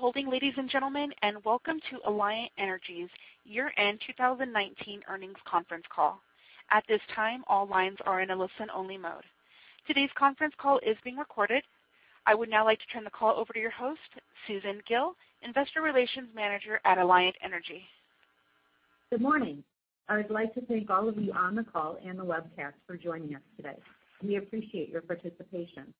Thank you for holding, ladies and gentlemen, and welcome to Alliant Energy's year-end 2019 earnings conference call. At this time, all lines are in a listen-only mode. Today's conference call is being recorded. I would now like to turn the call over to your host, Susan Gille, Investor Relations Manager at Alliant Energy. Good morning. I'd like to thank all of you on the call and the webcast for joining us today. We appreciate your participation.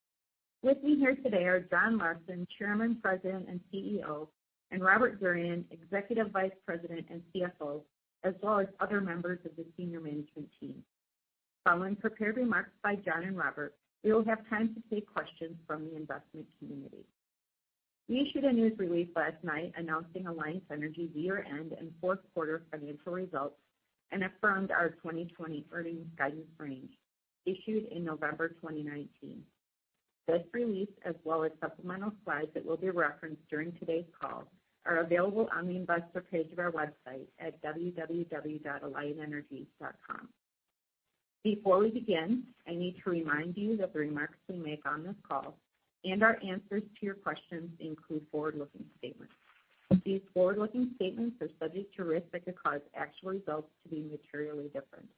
With me here today are John Larsen, Chairman, President, and CEO, and Robert Durian, Executive Vice President and CFO, as well as other members of the senior management team. Following prepared remarks by John and Robert, we will have time to take questions from the investment community. We issued a news release last night announcing Alliant Energy year-end and fourth quarter financial results and affirmed our 2020 earnings guidance range issued in November 2019. This release, as well as supplemental slides that will be referenced during today's call, are available on the Investor page of our website at www.alliantenergy.com. Before we begin, I need to remind you that the remarks we make on this call and our answers to your questions include forward-looking statements. These forward-looking statements are subject to risks that could cause actual results to be materially different.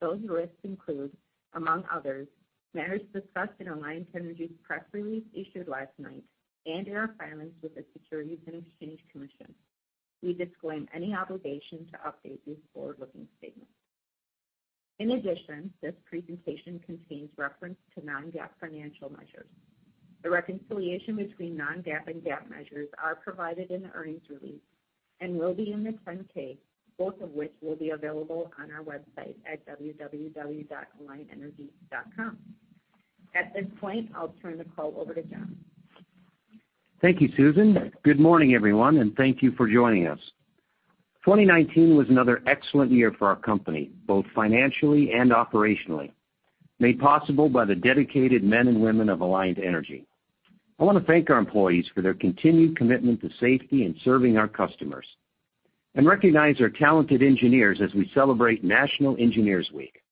Those risks include, among others, matters discussed in Alliant Energy's press release issued last night and in our filings with the Securities and Exchange Commission. We disclaim any obligation to update these forward-looking statements. In addition, this presentation contains reference to non-GAAP financial measures. The reconciliation between non-GAAP and GAAP measures are provided in the earnings release and will be in the 10-K, both of which will be available on our website at www.alliantenergy.com. At this point, I'll turn the call over to John. Thank you, Susan. Good morning, everyone, and thank you for joining us. 2019 was another excellent year for our company, both financially and operationally, made possible by the dedicated men and women of Alliant Energy. I want to thank our employees for their continued commitment to safety and serving our customers and recognize our talented engineers as we celebrate National Engineers Week.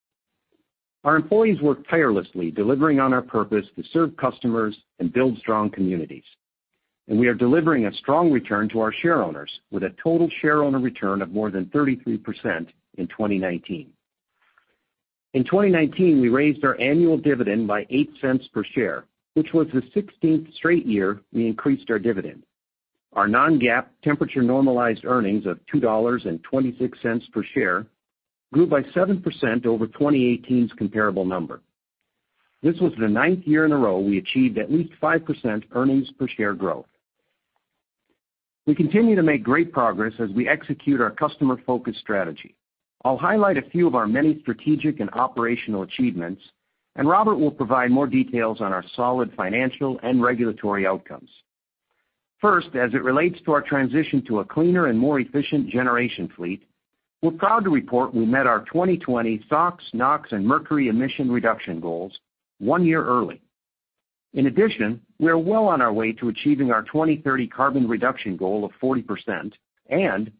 Our employees work tirelessly delivering on our purpose to serve customers and build strong communities, and we are delivering a strong return to our shareowners with a total shareowner return of more than 33% in 2019. In 2019, we raised our annual dividend by $0.08 per share, which was the 16th straight year we increased our dividend. Our non-GAAP temperature normalized earnings of $2.26 per share grew by 7% over 2018's comparable number. This was the ninth year in a row we achieved at least 5% earnings-per-share growth. We continue to make great progress as we execute our customer-focused strategy. I'll highlight a few of our many strategic and operational achievements, and Robert will provide more details on our solid financial and regulatory outcomes. First, as it relates to our transition to a cleaner and more efficient generation fleet, we're proud to report we met our 2020 SOx, NOx, and mercury emission reduction goals one year early. In addition, we are well on our way to achieving our 2030 carbon reduction goal of 40%, and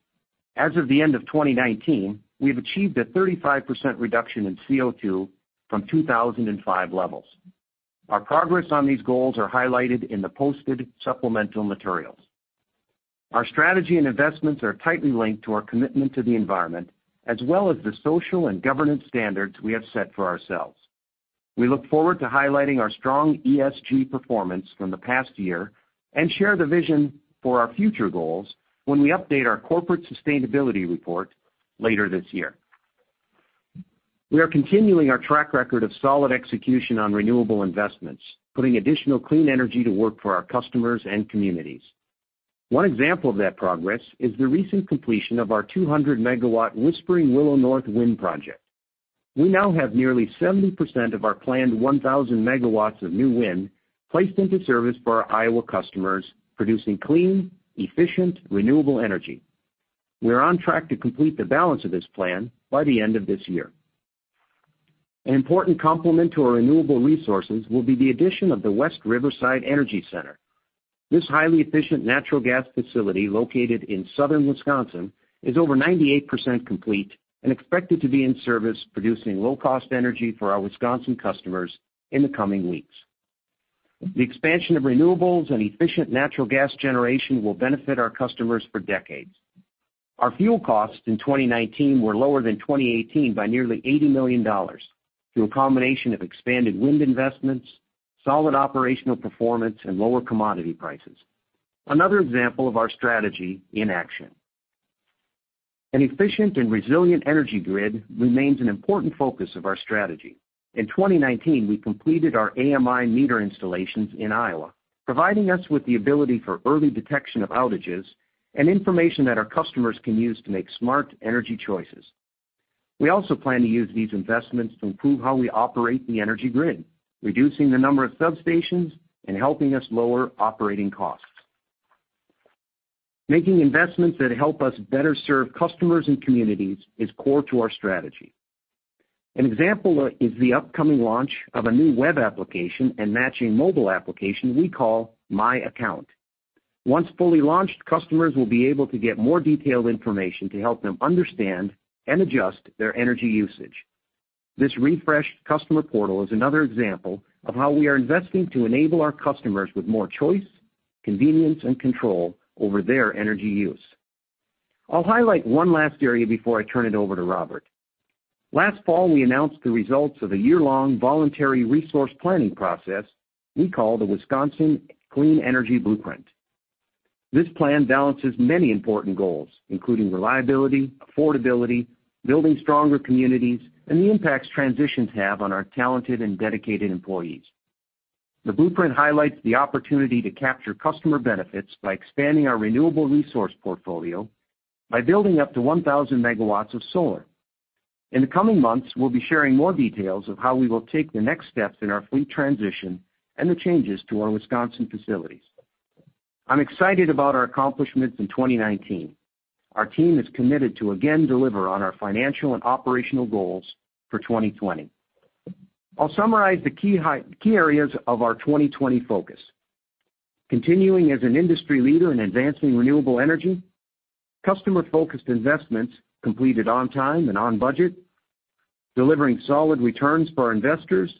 as of the end of 2019, we have achieved a 35% reduction in CO2 from 2005 levels. Our progress on these goals are highlighted in the posted supplemental materials. Our strategy and investments are tightly linked to our commitment to the environment as well as the social and governance standards we have set for ourselves. We look forward to highlighting our strong ESG performance from the past year and share the vision for our future goals when we update our corporate sustainability report later this year. We are continuing our track record of solid execution on renewable investments, putting additional clean energy to work for our customers and communities. One example of that progress is the recent completion of our 200 MW Whispering Willow North Wind project. We now have nearly 70% of our planned 1,000 MW of new wind placed into service for our Iowa customers, producing clean, efficient, renewable energy. We're on track to complete the balance of this plan by the end of this year. An important complement to our renewable resources will be the addition of the West Riverside Energy Center. This highly efficient natural gas facility, located in southern Wisconsin, is over 98% complete and expected to be in service producing low-cost energy for our Wisconsin customers in the coming weeks. The expansion of renewables and efficient natural gas generation will benefit our customers for decades. Our fuel costs in 2019 were lower than 2018 by nearly $80 million through a combination of expanded wind investments, solid operational performance, and lower commodity prices. Another example of our strategy in action. An efficient and resilient energy grid remains an important focus of our strategy. In 2019, we completed our AMI meter installations in Iowa, providing us with the ability for early detection of outages and information that our customers can use to make smart energy choices. We also plan to use these investments to improve how we operate the energy grid, reducing the number of substations and helping us lower operating costs. Making investments that help us better serve customers and communities is core to our strategy. An example is the upcoming launch of a new web application and matching mobile application we call My Account. Once fully launched, customers will be able to get more detailed information to help them understand and adjust their energy usage. This refreshed customer portal is another example of how we are investing to enable our customers with more choice, convenience, and control over their energy use. I'll highlight one last area before I turn it over to Robert. Last fall, we announced the results of a year-long voluntary resource planning process we call the Wisconsin Clean Energy Blueprint. This plan balances many important goals, including reliability, affordability, building stronger communities, and the impacts transitions have on our talented and dedicated employees. The blueprint highlights the opportunity to capture customer benefits by expanding our renewable resource portfolio by building up to 1,000 MW of solar. In the coming months, we'll be sharing more details of how we will take the next steps in our fleet transition and the changes to our Wisconsin facilities. I'm excited about our accomplishments in 2019. Our team is committed to again deliver on our financial and operational goals for 2020. I'll summarize the key areas of our 2020 focus. Continuing as an industry leader in advancing renewable energy, customer-focused investments completed on time and on budget, delivering solid returns for our investors,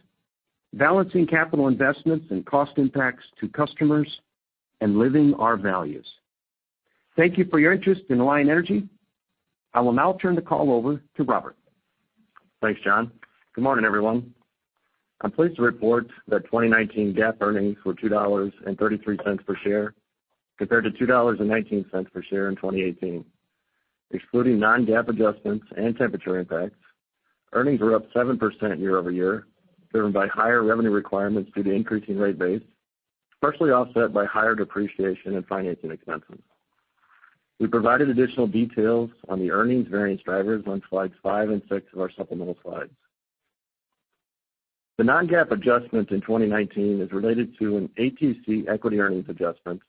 balancing capital investments and cost impacts to customers, and living our values. Thank you for your interest in Alliant Energy. I will now turn the call over to Robert. Thanks, John. Good morning, everyone. I'm pleased to report that 2019 GAAP earnings were $2.33 per share, compared to $2.19 per share in 2018. Excluding non-GAAP adjustments and temperature impacts, earnings were up 7% year-over-year, driven by higher revenue requirements due to increasing rate base, partially offset by higher depreciation and financing expenses. We provided additional details on the earnings variance drivers on slides five and six of our supplemental slides. The non-GAAP adjustment in 2019 is related to an ATC equity earnings adjustment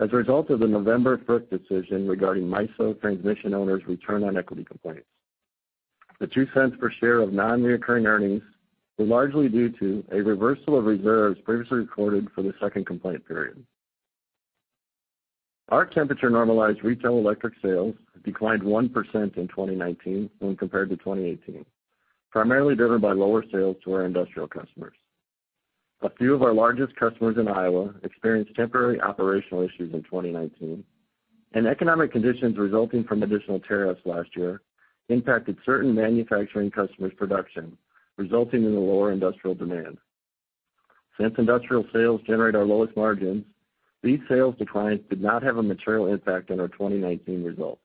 as a result of the November 1st decision regarding MISO transmission owners' return on equity complaints. The $0.02 per share of non-reoccurring earnings were largely due to a reversal of reserves previously recorded for the second complaint period. Our temperature-normalized retail electric sales declined 1% in 2019 when compared to 2018, primarily driven by lower sales to our industrial customers. A few of our largest customers in Iowa experienced temporary operational issues in 2019. Economic conditions resulting from additional tariffs last year impacted certain manufacturing customers' production, resulting in a lower industrial demand. Since industrial sales generate our lowest margins, these sales declines did not have a material impact on our 2019 results.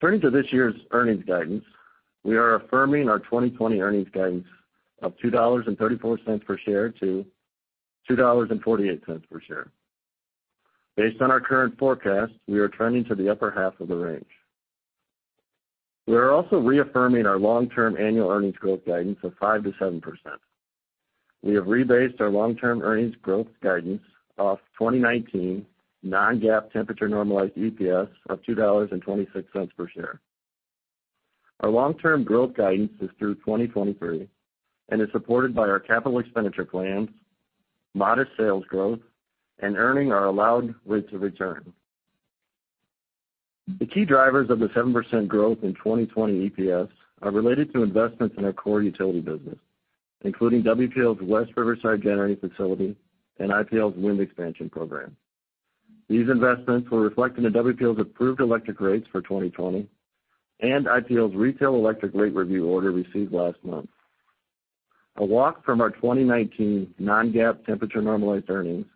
Turning to this year's earnings guidance, we are affirming our 2020 earnings guidance of $2.34 per share to $2.48 per share. Based on our current forecast, we are turning to the upper half of the range. We are also reaffirming our long-term annual earnings growth guidance of 5%-7%. We have rebased our long-term earnings growth guidance off 2019 non-GAAP temperature-normalized EPS of $2.26 per share. Our long-term growth guidance is through 2023 and is supported by our capital expenditure plans, modest sales growth, and earning our allowed rates of return. The key drivers of the 7% growth in 2020 EPS are related to investments in our core utility business, including WPL's West Riverside generating facility and IPL's wind expansion program. These investments were reflected in WPL's approved electric rates for 2020 and IPL's retail electric rate review order received last month. A walk from our 2019 non-GAAP temperature-normalized earnings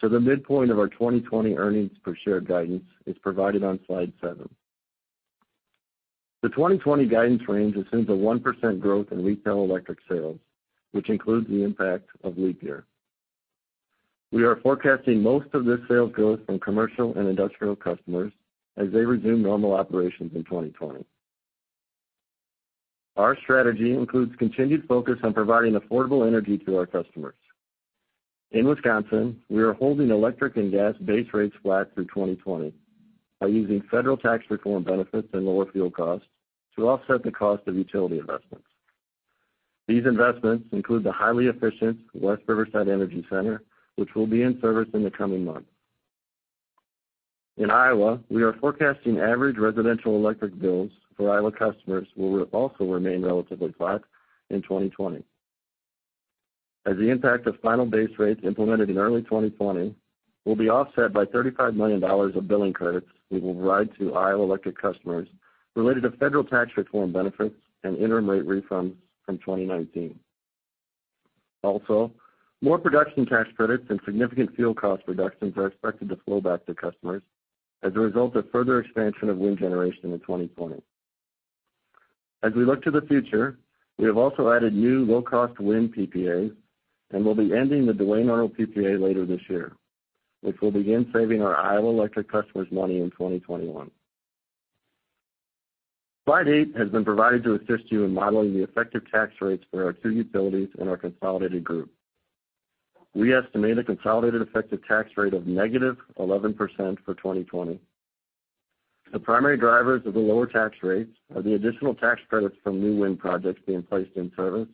to the midpoint of our 2020 earnings per share guidance is provided on slide seven. The 2020 guidance range assumes a 1% growth in retail electric sales, which includes the impact of leap year. We are forecasting most of this sales growth from commercial and industrial customers as they resume normal operations in 2020. Our strategy includes continued focus on providing affordable energy to our customers. In Wisconsin, we are holding electric and gas base rates flat through 2020 by using federal tax reform benefits and lower fuel costs to offset the cost of utility investments. These investments include the highly efficient West Riverside Energy Center, which will be in service in the coming months. In Iowa, we are forecasting average residential electric bills for Iowa customers will also remain relatively flat in 2020. The impact of final base rates implemented in early 2020 will be offset by $35 million of billing credits we will provide to Iowa Electric customers related to federal tax reform benefits and interim rate refunds from 2019. More production tax credits and significant fuel cost reductions are expected to flow back to customers as a result of further expansion of wind generation in 2020. As we look to the future, we have also added new low-cost wind PPAs and will be ending the Duane Arnold PPA later this year, which will begin saving our Iowa electric customers money in 2021. Slide eight has been provided to assist you in modeling the effective tax rates for our two utilities and our consolidated group. We estimate a consolidated effective tax rate of -11% for 2020. The primary drivers of the lower tax rates are the additional tax credits from new wind projects being placed in service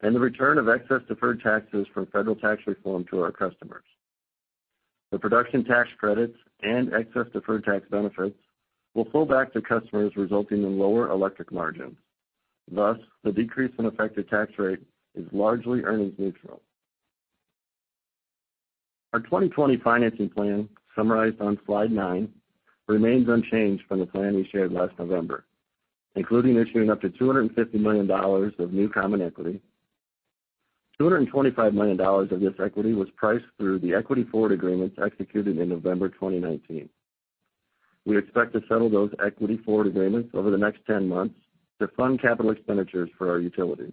and the return of excess deferred taxes from federal tax reform to our customers. The production tax credits and excess deferred tax benefits will flow back to customers resulting in lower electric margins. Thus, the decrease in effective tax rate is largely earnings neutral. Our 2020 financing plan, summarized on slide nine, remains unchanged from the plan we shared last November, including issuing up to $250 million of new common equity. $225 million of this equity was priced through the equity forward agreements executed in November 2019. We expect to settle those equity forward agreements over the next 10 months to fund capital expenditures for our utility.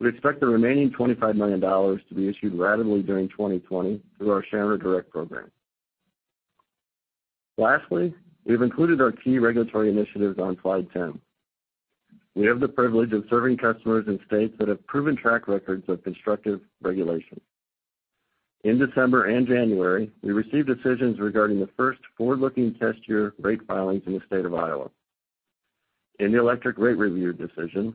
We expect the remaining $25 million to be issued ratably during 2020 through our Shareowner Direct Plan. We've included our key regulatory initiatives on slide 10. We have the privilege of serving customers in states that have proven track records of constructive regulation. In December and January, we received decisions regarding the first forward-looking test year rate filings in the state of Iowa. In the electric rate review decision,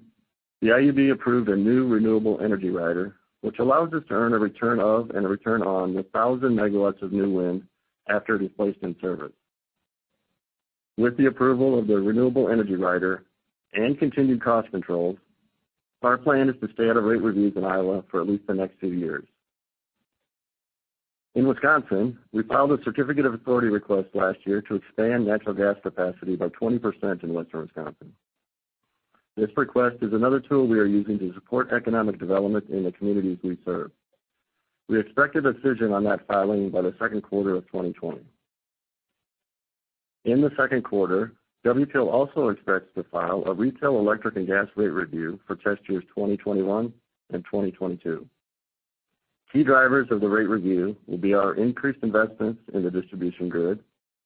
the IUB approved a new renewable energy rider, which allows us to earn a return of and a return on 1,000 MW of new wind after it is placed in service. With the approval of the renewable energy rider and continued cost controls, our plan is to stay out of rate reviews in Iowa for at least the next two years. In Wisconsin, we filed a certificate of authority request last year to expand natural gas capacity by 20% in western Wisconsin. This request is another tool we are using to support economic development in the communities we serve. We expect a decision on that filing by the second quarter of 2020. In the second quarter, WPL also expects to file a retail electric and gas rate review for test years 2021 and 2022. Key drivers of the rate review will be our increased investments in the distribution grid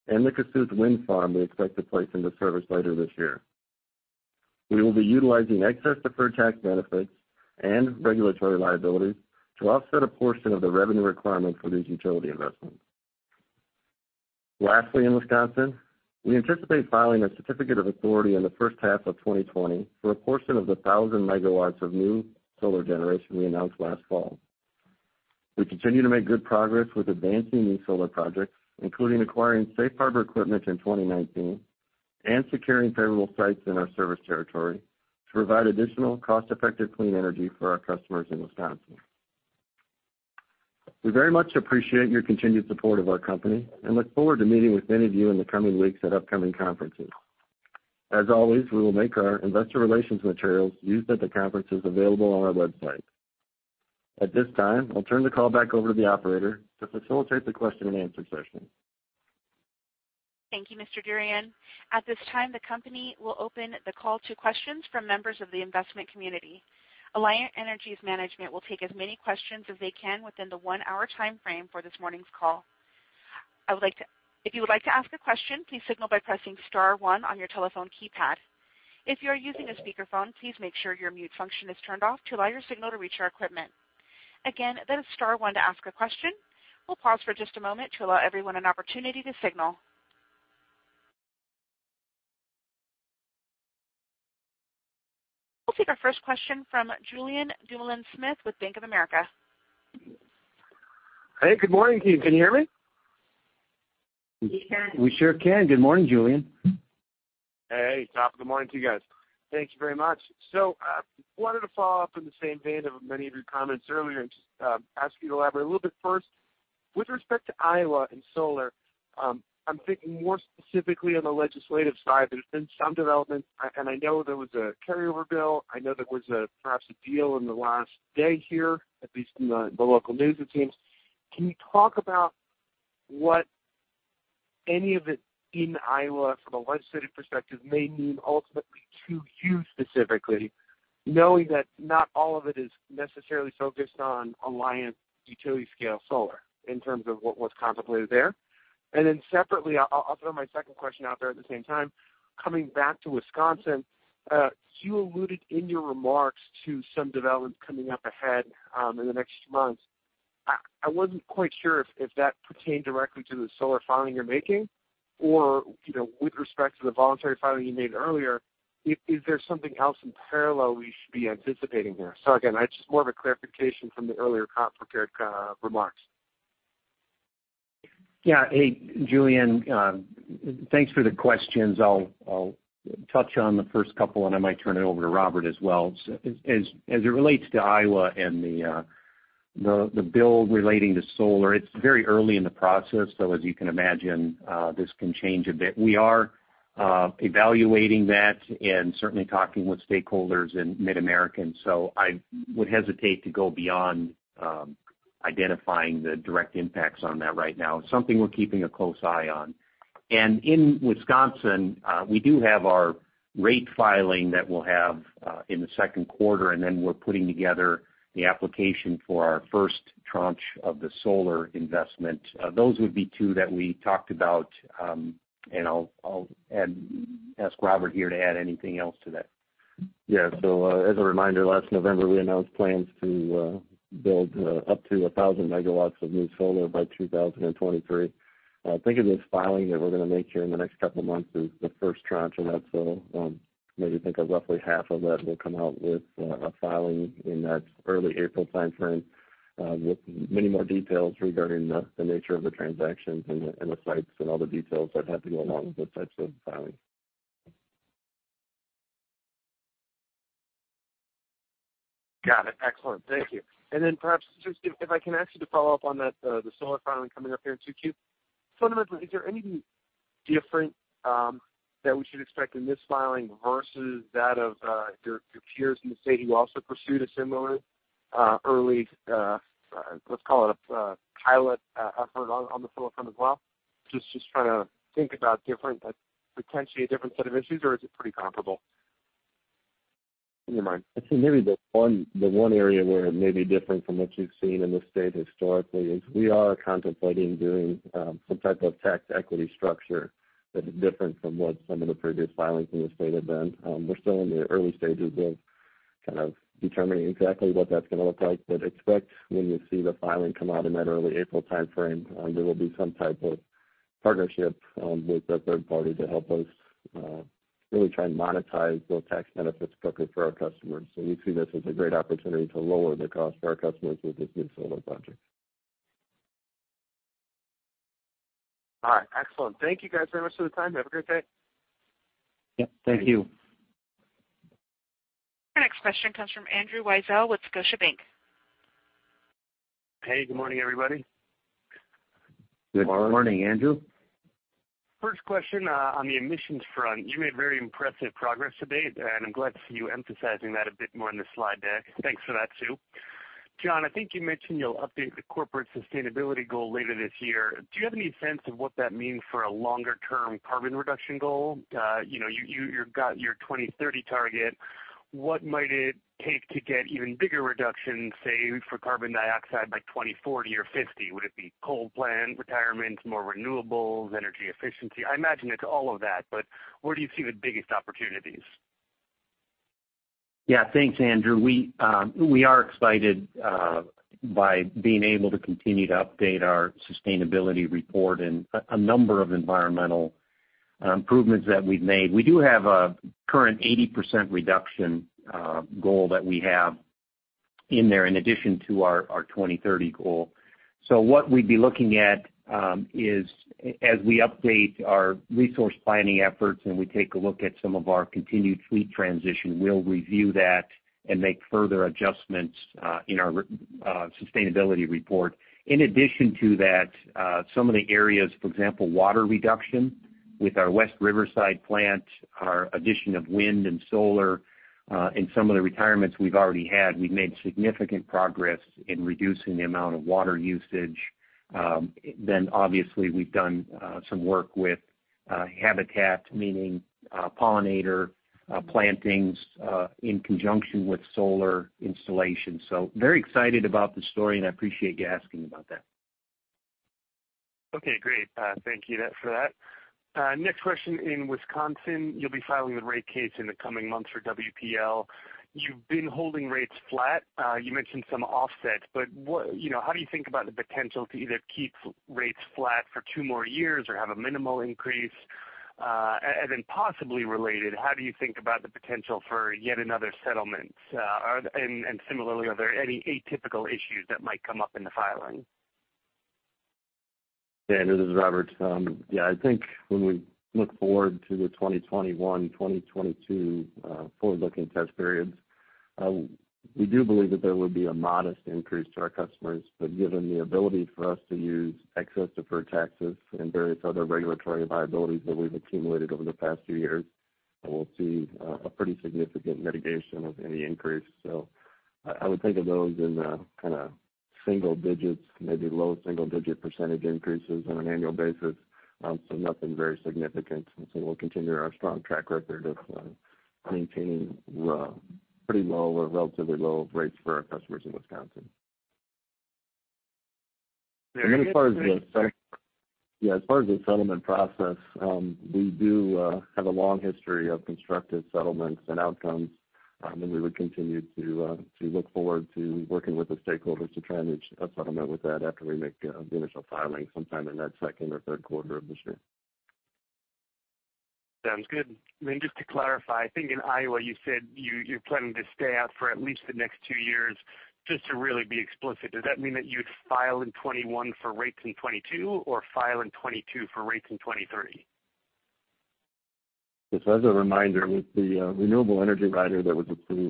and the Kossuth wind farm we expect to place into service later this year. We will be utilizing excess deferred tax benefits and regulatory liabilities to offset a portion of the revenue requirement for these utility investments. In Wisconsin, we anticipate filing a certificate of authority in the first half of 2020 for a portion of the 1,000 MW of new solar generation we announced last fall. We continue to make good progress with advancing new solar projects, including acquiring safe harbor equipment in 2019 and securing favorable sites in our service territory to provide additional cost-effective clean energy for our customers in Wisconsin. We very much appreciate your continued support of our company and look forward to meeting with many of you in the coming weeks at upcoming conferences. As always, we will make our investor relations materials used at the conferences available on our website. At this time, I'll turn the call back over to the operator to facilitate the question-and-answer session. Thank you, Mr. Durian. At this time, the company will open the call to questions from members of the investment community. Alliant Energy's management will take as many questions as they can within the one-hour timeframe for this morning's call. If you would like to ask a question, please signal by pressing star one on your telephone keypad. If you are using a speakerphone, please make sure your mute function is turned off to allow your signal to reach our equipment. Again, that is star one to ask a question. We'll pause for just a moment to allow everyone an opportunity to signal. We'll take our first question from Julien Dumoulin-Smith with Bank of America. Hey, good morning to you. Can you hear me? We sure can. Good morning, Julien. Hey, top of the morning to you guys. Thank you very much. Wanted to follow up in the same vein of many of your comments earlier and just ask you to elaborate a little bit. First, with respect to Iowa and solar, I'm thinking more specifically on the legislative side. There's been some developments, and I know there was a carryover bill. I know there was perhaps a deal in the last day here, at least in the local news, it seems. Can you talk about what any of it in Iowa from a legislative perspective may mean ultimately to you specifically, knowing that not all of it is necessarily focused on Alliant utility-scale solar in terms of what was contemplated there? Separately, I'll throw my second question out there at the same time. Coming back to Wisconsin, you alluded in your remarks to some developments coming up ahead in the next months. I wasn't quite sure if that pertained directly to the solar filing you're making or, with respect to the voluntary filing you made earlier, is there something else in parallel we should be anticipating here? Again, just more of a clarification from the earlier prepared remarks. Hey, Julien. Thanks for the questions. I'll touch on the first couple, and I might turn it over to Robert as well. As it relates to Iowa and the bill relating to solar, it's very early in the process. As you can imagine, this can change a bit. We are evaluating that and certainly talking with stakeholders in MidAmerican, so I would hesitate to go beyond identifying the direct impacts on that right now. It's something we're keeping a close eye on. In Wisconsin, we do have our rate filing that we'll have in the second quarter, and then we're putting together the application for our first tranche of the solar investment. Those would be two that we talked about, and I'll ask Robert here to add anything else to that. As a reminder, last November, we announced plans to build up to 1,000 MW of new solar by 2023. I think of this filing that we're going to make here in the next couple of months is the first tranche of that. Maybe think of roughly half of that will come out with a filing in that early April timeframe, with many more details regarding the nature of the transactions and the sites and all the details that have to go along with those types of filings. Got it. Excellent. Thank you. Perhaps, just if I can ask you to follow up on that, the solar filing coming up here in 2Q. Fundamentally, is there anything different that we should expect in this filing versus that of your peers in the state who also pursued a similar early, let's call it a pilot effort on the solar front as well? Just trying to think about potentially a different set of issues or is it pretty comparable in your mind? I'd say maybe the one area where it may be different from what you've seen in the state historically is we are contemplating doing some type of tax equity structure that is different from what some of the previous filings in the state have been. We're still in the early stages of kind of determining exactly what that's going to look like. Expect when you see the filing come out in that early April timeframe, there will be some type of partnership with a third party to help us really try and monetize those tax benefits properly for our customers. We see this as a great opportunity to lower the cost for our customers with this new solar project. All right. Excellent. Thank you guys very much for the time. Have a great day. Yep, thank you. Our next question comes from Andrew Weisel with Scotiabank. Hey, good morning, everybody. Good morning, Andrew. First question, on the emissions front. You made very impressive progress to date. I'm glad to see you emphasizing that a bit more on the slide deck. Thanks for that, too. John, I think you mentioned you'll update the corporate sustainability goal later this year. Do you have any sense of what that means for a longer-term carbon reduction goal? You've got your 2030 target. What might it take to get even bigger reductions, say, for carbon dioxide by 2040 or 2050? Would it be coal plant retirements, more renewables, energy efficiency? I imagine it's all of that. Where do you see the biggest opportunities? Thanks, Andrew. We are excited by being able to continue to update our sustainability report and a number of environmental improvements that we've made. We do have a current 80% reduction goal that we have in there in addition to our 2030 goal. What we'd be looking at is, as we update our resource planning efforts and we take a look at some of our continued fleet transition, we'll review that and make further adjustments in our sustainability report. In addition to that, some of the areas, for example, water reduction with our West Riverside Energy Center, our addition of wind and solar, and some of the retirements we've already had. We've made significant progress in reducing the amount of water usage. Obviously, we've done some work with habitat, meaning pollinator plantings in conjunction with solar installation. Very excited about the story, and I appreciate you asking about that. Okay, great. Thank you for that. Next question, in Wisconsin, you'll be filing the rate case in the coming months for WPL. You've been holding rates flat. You mentioned some offsets, how do you think about the potential to either keep rates flat for two more years or have a minimal increase? Then possibly related, how do you think about the potential for yet another settlement? Similarly, are there any atypical issues that might come up in the filing? Andrew, this is Robert. I think when we look forward to the 2021, 2022 forward-looking test periods, we do believe that there will be a modest increase to our customers. Given the ability for us to use excess deferred taxes and various other regulatory liabilities that we've accumulated over the past few years, we'll see a pretty significant mitigation of any increase. I would think of those in the kind of single-digits, maybe low single-digit percentage increases on an annual basis. Nothing very significant. We'll continue our strong track record of maintaining pretty low or relatively low rates for our customers in Wisconsin. As far as the settlement process, we do have a long history of constructive settlements and outcomes. We would continue to look forward to working with the stakeholders to try and reach a settlement with that after we make the initial filing sometime in that second or third quarter of this year. Sounds good. Just to clarify, I think in Iowa you said you're planning to stay out for at least the next two years. Just to really be explicit, does that mean that you'd file in 2021 for rates in 2022 or file in 2022 for rates in 2023? Just as a reminder, with the renewable energy rider that was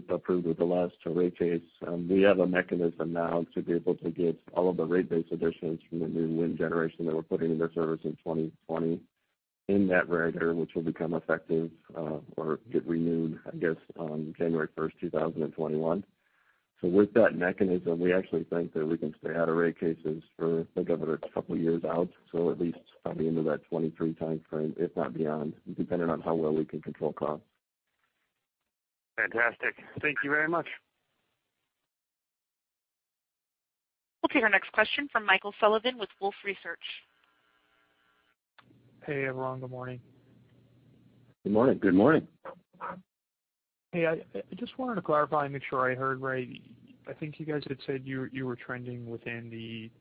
approved with the last rate case, we have a mechanism now to be able to get all of the rate base additions from the new wind generation that we're putting into service in 2020 in that rider, which will become effective or get renewed, I guess, on January 1st, 2021. With that mechanism, we actually think that we can stay out of rate cases for, think of it, a couple of years out. At least into that 2023 timeframe, if not beyond, depending on how well we can control costs. Fantastic. Thank you very much. We'll take our next question from Michael Sullivan with Wolfe Research. Hey, everyone. Good morning. Good morning. Hey, I just wanted to clarify and make sure I heard right. I think you guys had said you were trending within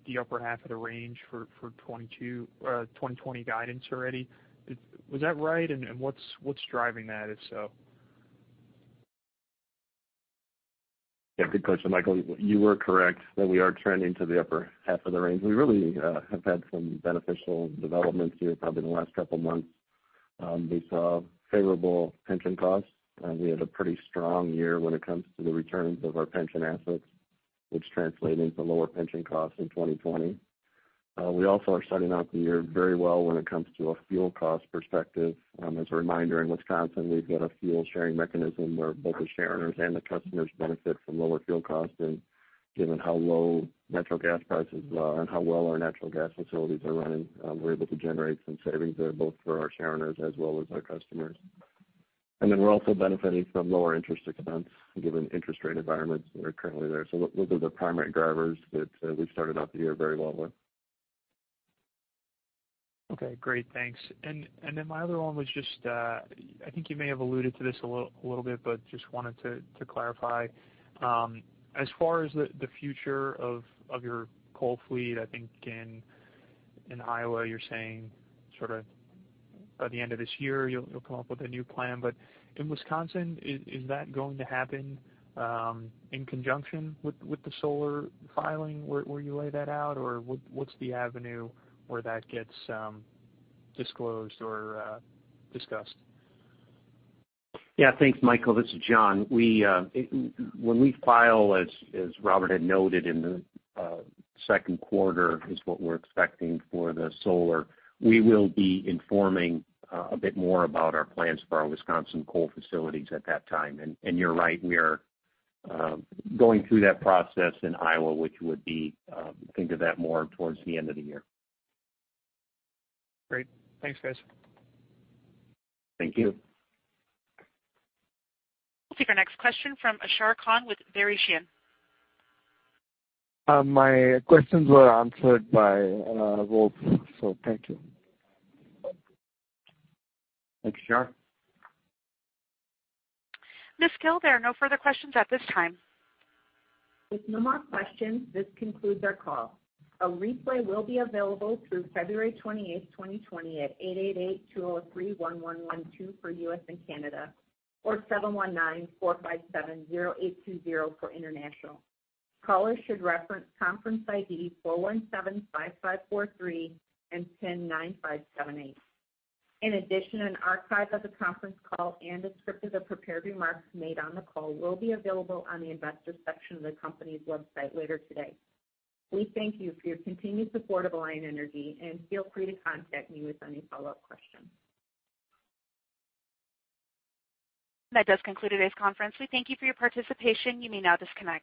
the upper half of the range for 2020 guidance already. Was that right? What's driving that, if so? Yeah. Good question, Michael. You were correct that we are trending to the upper half of the range. We really have had some beneficial developments here probably in the last couple of months. We saw favorable pension costs. We had a pretty strong year when it comes to the returns of our pension assets, which translate into lower pension costs in 2020. We also are starting out the year very well when it comes to a fuel cost perspective. As a reminder, in Wisconsin, we've got a fuel-sharing mechanism where both the sharers and the customers benefit from lower fuel costs. Given how low natural gas prices are and how well our natural gas facilities are running, we're able to generate some savings there both for our sharers as well as our customers. We're also benefiting from lower interest expense given interest rate environments that are currently there. Those are the primary drivers that we've started out the year very well with. Okay, great. Thanks. My other one was just, I think you may have alluded to this a little bit, but just wanted to clarify. As far as the future of your coal fleet, I think in Iowa, you're saying sort of by the end of this year, you'll come up with a new plan. In Wisconsin, is that going to happen in conjunction with the solar filing where you lay that out? What's the avenue where that gets disclosed or discussed? Yeah. Thanks, Michael. This is John. When we file, as Robert had noted in the second quarter, is what we're expecting for the solar. We will be informing a bit more about our plans for our Wisconsin coal facilities at that time. You're right, we are going through that process in Iowa, which would be, think of that more towards the end of the year. Great. Thanks, guys. Thank you. We'll take our next question from Ashar Khan with Verition. My questions were answered by Rob, so thank you. Thanks, Ashar. Ms. Gille, there are no further questions at this time. With no more questions, this concludes our call. A replay will be available through February 28th, 2020 at 888-203-1112 for U.S. and Canada or 719-457-0820 for international. Callers should reference conference ID 4,175,543 and PIN nine five seven eight. In addition, an archive of the conference call and a script of the prepared remarks made on the call will be available on the Investors section of the company's website later today. We thank you for your continued support of Alliant Energy. Feel free to contact me with any follow-up questions. That does conclude today's conference. We thank you for your participation. You may now disconnect.